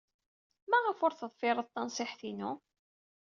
Maɣef ur teḍfired tanṣiḥt-inu?